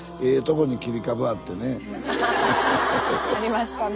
ありましたね。